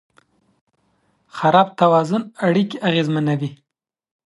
خراب توازن اړیکې اغېزمنوي.